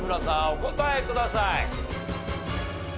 お答えください。